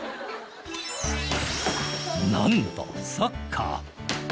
なんとサッカー。